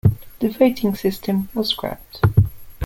The voting system was scrapped.